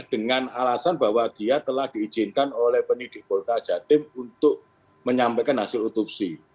dengan alasan bahwa dia telah diizinkan oleh pendidik polda jatim untuk menyampaikan hasil otopsi